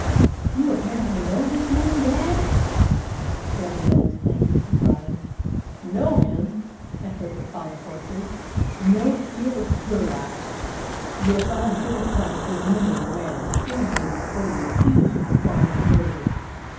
"You apparently know this man, dad?" Gabrielle exclaimed in surprise. "Know him!" echoed her father hoarsely. "Know Felix Gerlach! Yes, I have bitter cause to remember the man who stands there before you accused of the crime of murder."